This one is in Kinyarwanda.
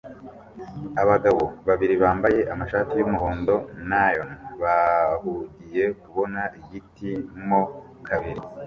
Abagabo babiri bambaye amashati yumuhondo neon bahugiye kubona igiti mo kabiri